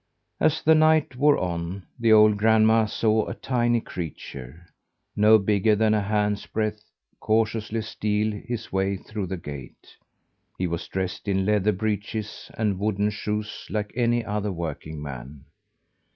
As the night wore on, the old grandma saw a tiny creature, no bigger than a hand's breadth, cautiously steal his way through the gate. He was dressed in leather breeches and wooden shoes like any other working man.